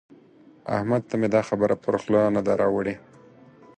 احمد ته مې دا خبره پر خوله نه ده راوړي.